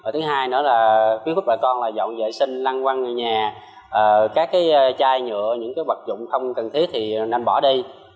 thứ hai nữa là khuyến khích bà con là dọn vệ sinh lăng quăng người nhà các chai nhựa những vật dụng không cần thiết thì nên bỏ đi